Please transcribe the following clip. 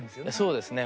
そうですね。